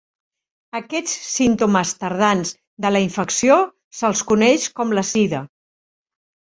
Aquests símptomes tardans de la infecció se'ls coneix com la sida.